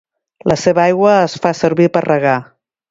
La seva aigua es fa servir per regar.